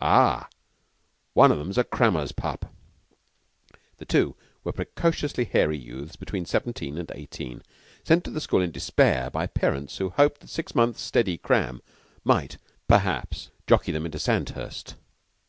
Ah! One of 'em's a crammer's pup." The two were precocious hairy youths between seventeen and eighteen, sent to the school in despair by parents who hoped that six months' steady cram might, perhaps, jockey them into Sandhurst.